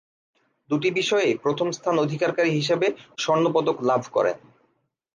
দুটি বিষয়েই প্রথম স্থান অধিকারী হিসাবে স্বর্ণ পদক লাভ করেন।